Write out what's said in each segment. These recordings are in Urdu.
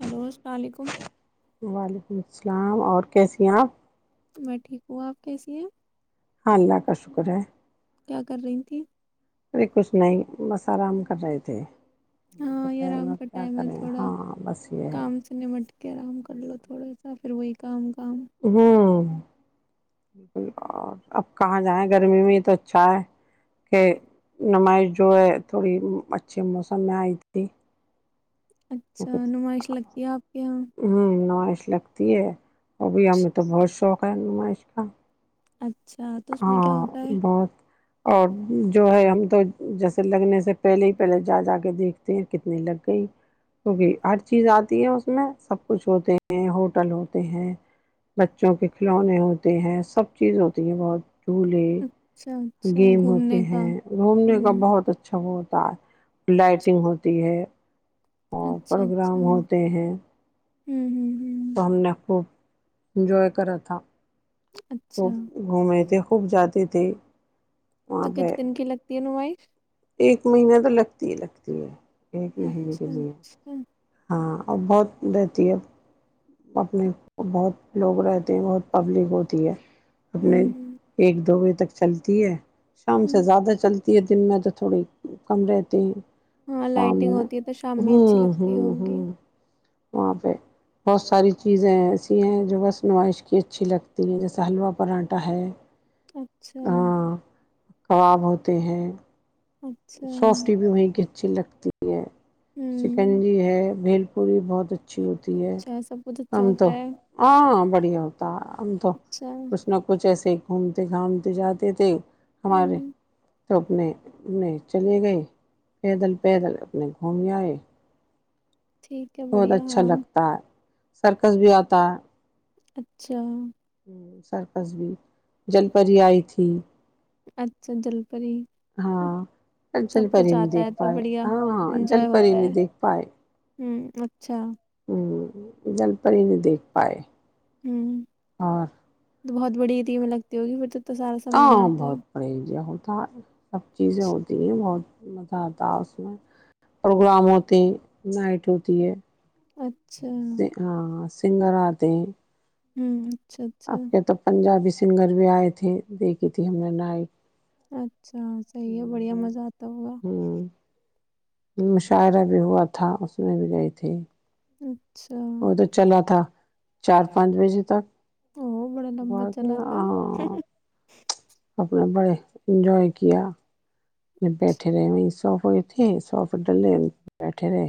ہلو السلام علیکم وعلیکم السلام اور کیسیے ہیں آپ میں ٹھیک ہوں آپ کیسی ہیں ہاں اللہ کا شکر ہے کیا کر رہی تیں ارے کچھ نہیں بس آرام کر رہے تھے ہاں یہ دوپہر آرام میں کا کیا ٹائم ہے کریں تھوڑا ہاں بس یہ ہے کام سے نمٹ کے آرام کر لو تھوڑا سا پھر وہی کم کام ہوں بکل اور اب کہاں جائیں گرمی میں تو اچھا ہے کہ نمائش جو ہے تھوڑی اچھے موسم میں آئی تھی اچھا نمائش لگتی ہے آپ کے یہاں ہوں نو لگتی ہے ابھی ہمیں تو بہت شوق پ نمش کاا اچھا تو اس میں کیا ہاں ہوتا ہے بہت اور جو ہے ہم تو جیسے لگنے سے پہلے ہی پہلے جا جا کے دیکھتے ہیں کتنی لگ گئی کیونکہ ہر چیز آتی ہے اس میں سب کچھ ہوتے ہیں ہوٹل ہوتے ہیں بچوں کے کھلونے ہوتے ہیں سب چیز ہوتی ہے بہت چولہے اچھا اچھا گیم ہوتے گھومنے کا ہیں گھومنے کا ہوں بہت اچھا بہتا س [unintelligible] لائٹنگ ہوتی ہے اور اچھا اچھا پروگرام ہوں ہوتے ہیں ہوں ہوں تو ہم نے خوب انجوائے کرا تھا خوب اچھا گھومے تھے خوب جاتے تھے ت [unintelligible] وہاں تو پ کتنے دن کی لگتی ہے نمائش ایک مہین تو لگتا لگتی ہے ایک کہ اچھا کہ اچھا ہاں اور بہت رہتی ہے اپنے بہت لوگ رہتے ہیں بہت پبلک ہوتی ہے اپنے ہوں ایک دو میں تک چلتی ہے شام ہوں سے زیادہ چلتی دن میں تو تھوڑی کم رہتے ہیں ہاں شام لائٹنگ میں ہوتی ہے تو شام میں اچھی ہوں لگتی ہوں ہوگی ہوں وہاں پ بہت ساری چیزیں ایسی ہیں جو بس نمائش کی اچھی لگتی ہے جیسے حلوہ پراٹھا ہے اچھا [unintelligible] ہاں کباب ہوتے ہیں اچھا سافٹ بھی ہویں ک اچھی لگتی ہے ہوں سکنجی ہے بھیل پوری بت اچھی ہوتی ہے اچھا سب کچھ اچھا ہم تو ہوتا ہے ہاں ب پڑی ہوتا ہم تو اچھا کچھ نہ کچھ ایسے گھومتے گھامتے جاتے تھے ہمارے ہوں سبنے نہیں چلے گئے پیدل پیدل اپنے گھومنے آئے ٹھیک ہے بہت بڑھیا اچھا ہاں لگتا ہے سرکس بھی آتا ہے اچھا سرکس بھی جل پری آئی تھی اچھا جل پری ہم، ہاں سب جل پر کچھ ہی نہیں آتا ہے دیکھ تو پائے بڑھیا ہاں ہاں جل انجوائے پر ہی ہوتا ہے نہیں دیکھ پائے ہوں اچھا ہ جل پر ہی نہیں دیکھ پائے ہوں اور بہت بڑی دھیمیں لگتی ہوگی م ہاں بہت پڑے جی د [unintelligible] سب چیزیں ہوتی ہیں بہت مزہ آتا اس میں پروگرام ہوتے نائٹ ہوتی ہے اچھا ہاں سنگر آتے ہوں اپ کے تو پنجابی سے سنگر بھی آئے تھے دیکھی تھی ہم نے نائک اچھا اچھا صحیح ہے بڑھیا مزہ آتا ہوگا ہوں مشاعرہ بھی ہوا تھا اس میں بھی گئی تھی اچھا وہ تو چلا تھا چار پانچ بجے تک او بڑا صب لمبا کے چلا تھا ہاں اپنے بڑے جائے رکیہ ج بیٹھے رہے م سو [unintelligible] ہوئی تھی سوف ڈلے بیٹھے رہے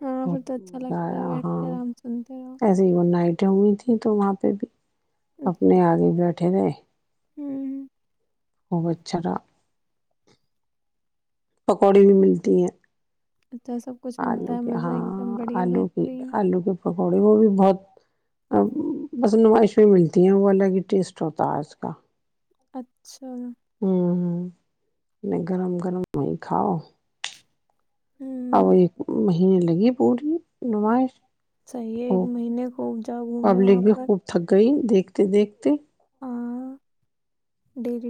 ہاں پھر تو بہت اچھا مزہ لگتا ہے آیا بیٹھتے ہاں آرام سنتے رہو ایسے ہی وہ نائٹیں ہوئی تھیں تو وہاں پہ بھی اپنے آگے بیٹھے اٹھے نہیں ہوں خوب اچھاا پکوڑی بھی ملتی ہے اچھا سب کچھ آلو ملتا ہے کے مزہ ایک دم ہاں بڑھیا آلو کی بہترین آلو کے پکوڑے وہ بھی بہت ا بس نمائش اس پ ملتی ہیں وہ الگ ہی ٹیسٹ ہوتا ہے اس کا اچھا ہوں ہوں گرم گرم وہ کاؤ ا ہوں ایک مہینے لگی پوری نمائش صحیح ہے ہو ایک مہینے خوب جاؤ گھومنے پبلک وہاں بھی پر خوب تھک گئی دیک دیکھتے دیکھتے ڈ [unintelligible]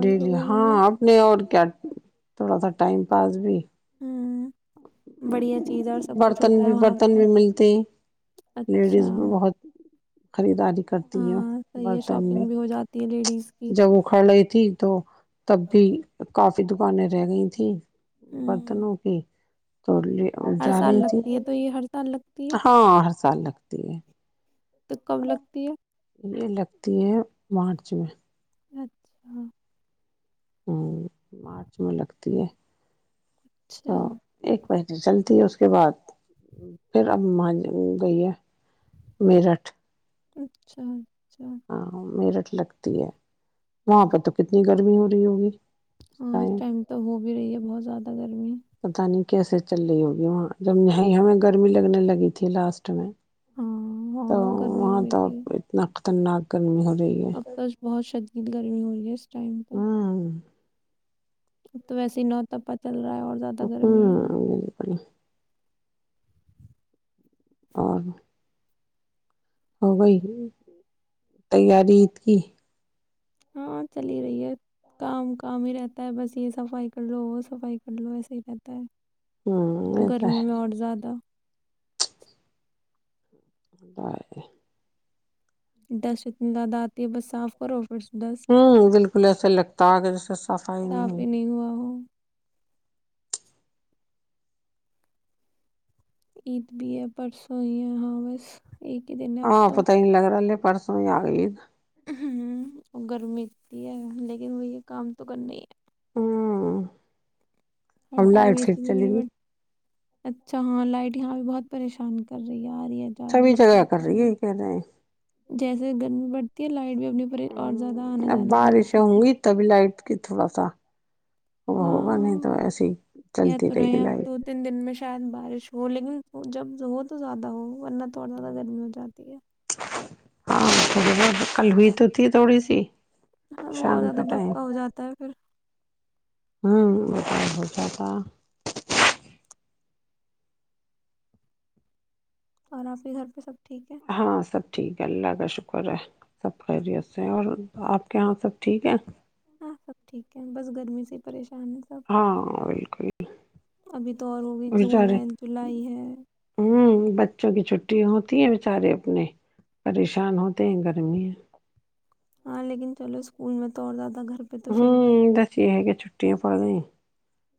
ڈیلی ہاں اپنے اور کیا تھوڑا سا ٹائم پاس بھی ہوں بڑھیا چیز ہے اور سب کچھ برتن ہوتا ہے بھی وہاں برتن پہ بھی ملتے ہیں اچھا لیڈیز بھی بہت خریداری کرتی ہے ہاں صحیح ہے برتن میں شاپنگ بھی ہو جاتی ہے لیڈیز کی جب اکھھڑ رہی تھی تو تب بھی کافی دکانیں رہ گئی تھیں برتن ہوں ہو کے تو لے ہر جا سال رہی تھی لگتی ہے تو یہ ہر سال لگتی ہے ہاں ہر سال لگتے ت [inaudible] تو کب لگتی ہے ت [unintelligible] مارچ میں اچ ہاں ہوں مارچ میں لگتی ہے اچھا تو ایک پہل چلتی ہے اس کے بعد پھر اب وہاں گئی ہے میرٹھ اچھا ہاں میرٹ لگتی ہے وہاں پرہ تو کتنی گرمی ہوتی ہوگی ہاں اس ٹائم تو ہو بھی رہی ہے بہت زیادہ گرمی پتا نہیں کیسے چل رہی ہوگی وہاں جب یہ ہمیں گرمی لگنے لگی تھی لاسٹ میں ہاں تو ہاں گرمی وہاں ہو تو اپ اتنا تنا کرمی ہوتی اف تو بہت ش یہت گرمی ہو رہیس ٹائم پ ہوں تو ویسے نوتا پت چل رہا ہے اور زیادہ اپا گرمی ہے گ پانی [unintelligible] اور ہو گئی تیارعیید کی ہاں چلی ہی رہی ہے کام کام ہی رہتا ہے بس یہ صفائی کر لو وہ صفائی کر لو ایسا ہی رہتا ہے ہوں یہ تو گرمی میں اور زیادہ بائے دشت لد آتی ہے بس صاف کرو پھر ڈسٹ ہوں بالکل ایسے لگتا ہے کہ جیسے صفائی نہیں صاف ہو ہی ہوا ہو عید بھی ہے پرسوں ہی ہے ہاں بس ایک ہی دن ہے ہاں اب تو پتہ نہیں لگرا الے پرسوں آگ عید ہ گرمیتی ہے لیکن وہ یہ کام تو کرنا ہی ہے ہاں ہر ہم ٹائم لائٹ اے پھر سی میں بھی چلے نہیں گی بیٹھ اچھا ہاں لائٹ یہاں بھی بہت پریشان کر رہی ہے آ رہی ہے جا رہی چویں ہے بس جگہ کر ایسے ہی رہی ہے کہنےے ہیں جیسے گرمی پڑتی ہے لائٹ بھی اپنے اوپر اور زیادہ آنا ہ اب جانا بند کر بارشیں ہوں دیتی ہے گی تبھی لائٹ کی تھوڑا سا وہ ہوگا نہیں تو ہاں ایسے ہی کہہ چلتی تو رہے گی ہیں اب لائف دو تین دن میں شاید بارش ہو لیکن جب ہو تو زیادہ ہو ورنہ تھوڑا زیادہ گرمی ہو جاتی ہے ہاں کلویتوتھی تھوڑی سی ہاں بت شام زیادہ کے ٹائم بھکا ہو جاتا ہے پھر ہوں اچھ تھاا اور آپ ہی گھر پہ سب ٹھیک ہے ہاں سب ٹھیک اللہ کا شکر ہے سب خیریت سے اور آپ کے یہاں سب ٹھیک ہے ہاں سب ٹھیک ہے بس گرمی سے ہی پریشان سب ہاں بالکل ابھی تو اور ہوگی جون بچارے ہے جولائی ہے ہوں بچوں کی چھٹی ہوتی ہیں بیچارے اپنے پریشان ہوتے ہیں گھر کرنی ہے ہاں لیکن چلو اسکول میں تو اور زیادہ گھر پہ تو پھر ہوں بھی دس یہ ہے گیا چھٹیاں پڑھیں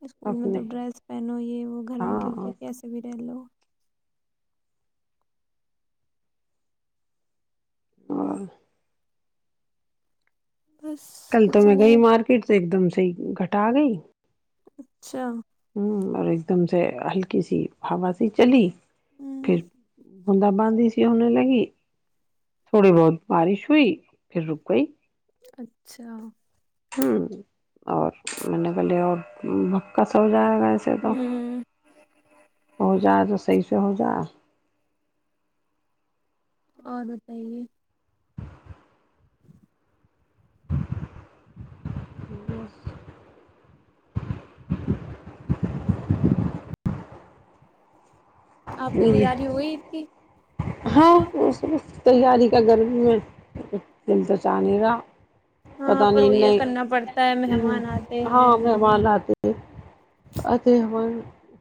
اسکول میں تو ڈریس پہنو یہ وہ گھر میں ک بھی ہاں کیسے بھی رہ لو اور بس کل تو کچھ میں نہیں کہئی مارکیٹ سے ایک دم سےحی گٹ ڈٹا گئی اچھا ہوں اور ایک دم سے ہلکی سی ہووا سی چلی ہوں پھر ہ د بانی س ہونے لگی تھوڑی بہت بارش ئی پھر رکئی اچھا ہاں اور میں نے کہہلے اور بکا سا ہو جائے گا تو ہوں ہو جائے تو صحی سہزہ [unintelligible] اور بتائیے جائے آپ کی تیاری ہوئی ا کی ہاں وہ سب تیاری کا گرمی میں دل تو چانے گا پت ہاں پر نہیں وہ یہ کرنا پڑتا ہے نہیں مہمان آتے ہاں ہیں مہمان آتے ہے آتے ہم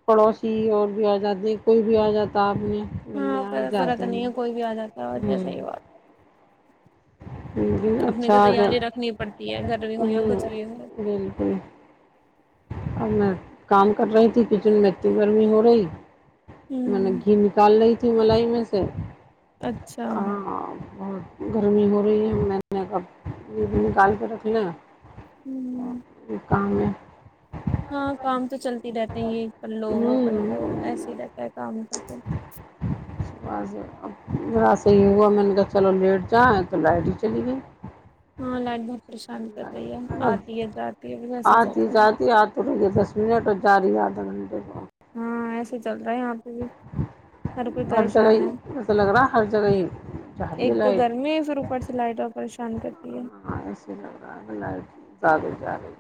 پڑوسی اور بھی آ جاتے کوئی بھی آ جاتا اپنے ہاں پس رہا تو نہیں ہے کوئی بھی آ جاتا ہے صحیح بات [inaudible] اپنی اچھا تو گ تیاری رکھنی پڑتی ہے گھر بھی ہ ہو یا کچھ بھی ہو بالکل اب میں کام کر رہی تھی کچن میں اتنی گرمی ہو رہی مطل نے ہوں گی نکال ل [inaudible] تملائی میں سے اچھا ہاں بہت گرمی ہو رہی ہے میں نے کب یہ بھی نکال کے رکھ ل ہوں م کاان ہے [unintelligible] ہاں کام تو چلتے رہتے ہیں یہ کر لو وہ کر لو ہمم ایسے ہی رہتا ہے کام کرتے اب ذرا صحیح ہوا میں نے کہا چلو لیٹ جائیں تو لائٹ ہی چلی گئی ہاں لاڈ ب [unintelligible] پریشان کر رہی ہے بس آتی ہے جاتی ہے پھر وسے ز تو یہ دس منٹ اور جا رہ ہے آدھا گھنٹے پ ہاں ایسے چلتا رہا یہاں پہ بھی ہر کوئی جگہ ہی پریشان ہے ایسا لگ رہا ہے ہر جگہ ہی جا رہی ہے ایک تو لائٹ گرمی پھر اوپر سے لائٹ اور پریشان کام کرتی ہے ہاںاں ایسے لگ رہا ہے زیادہ ج رہی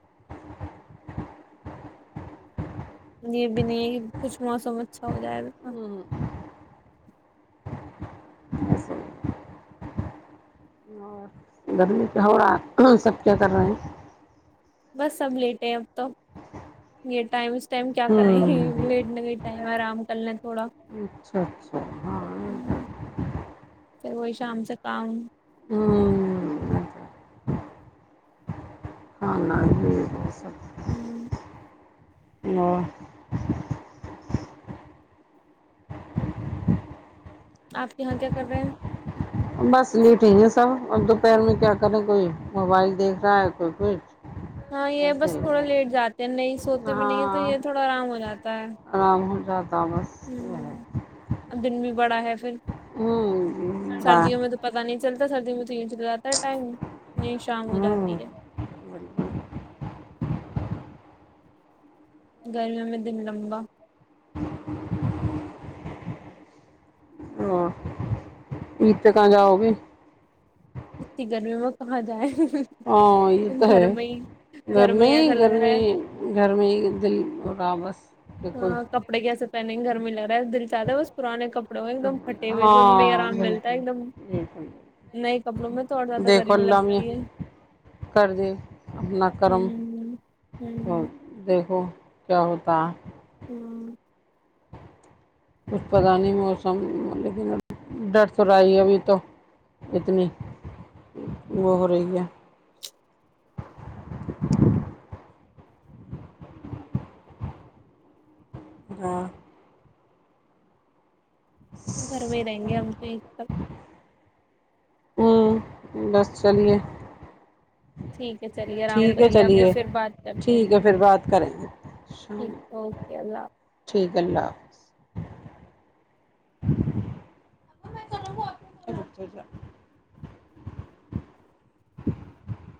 [inaudible] یہ بھی نہیں کچھ موسم اچھا ہو جائے سے اور گرمی پ ہوڑا سب کیا کر رہے ہیں بس سب لیٹ ہے اب تو یہ ٹائم اس ٹائم کیا کر ہوں رہیں لیٹنے کا ہی ٹائم ہے آرام کر ل تھوڑا اچھا اچھا ہاں پھر وہی شم سے کام [unintelligible] ہوںچ [inaudible] کھانا پ سب اور آپ یہاں کیا کر رہے ہیں بس یہی ٹھیک ہے سب ا دوپہر میں کیا کرے کوئی موبائل دیکھ رہا ہے کوئی کچھ ہاں یہ بس ایسے تھوڑا ہی لیٹ جاتے ہیں نہیں سوتے بھی نہیں ہے تو ہاں یہ تھوڑا آرام ہو جاتا ت [unintelligible] آرام ہو جات تامس یہ اب دن بھی [unintelligible] بڑا ہے پھر ہوں با سردیوں میں تو پتا نہیں چلتا سردی میں سینچ کراتا ہے ٹائم نہیں شام ہو جاتی ہوں ہے گرمیوں میں دن لمبا [unintelligible] ہاں عرت کاا جاؤ گ اتنی گرمی میں کہاں جائیں ہاں یہ تو گھر ہے میں ہی گھر میں ہی ایسا گھر لگ رہا میں ہے گھر میں ہی دل ہو رہا بس بالکل ہاں کپڑے کیسے پہنے نہیں گرمی لگ بس دل چاہتا ہے بس پرانے کپڑوں میں ایک دم پٹے ہوئے سے ان میں ہاں آرام ملتا ہے بالکل ایک دم بالکل نئے کپڑوں میں تھڑ زیادہ دیکھو گرمی اللہ میں لگتی ہے کر دے اپنا ہ کرم ہ ہ اور دیکھو کیا ہوتا ہوں کچھ پتا نہیں موسم لیکن ڈر تو رہای ابھی تو اتنی وہ ہو رہی ہے ر گھر بھی ہی دیں گے ہم تو س ہوں بس چلیے ٹھیک ہے چلیے آرام ٹھیک ہے کریے اب بھی چلیے پھر بات کرتے ٹھیک ہے ہیں پھر بات کریں گے شام ٹھیک اوکے اللہ حافظ ٹھیک اللہ حافظ م [unintelligible]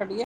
کٹیا